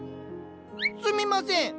すみません。